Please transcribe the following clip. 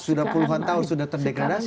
sudah puluhan tahun sudah terdegenerasi pak